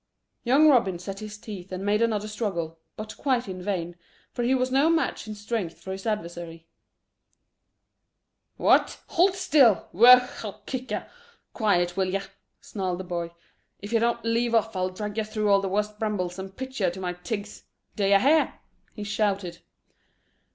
Young Robin set his teeth and made another struggle, but quite in vain, for he was no match in strength for his adversary. "What! Hold still! Wo ho, kicker! Quiet, will yer!" snarled the boy. "If yer don't leave off I'll drag yer through all the worst brambles and pitch yer to my tigs. D'yer hear?" he shouted.